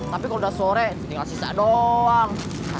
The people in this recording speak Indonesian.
tapi kalau udah sore tinggal sisa doang